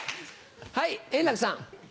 はい円楽さん。